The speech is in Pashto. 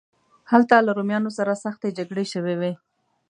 هلته له رومیانو سره سختې جګړې شوې وې.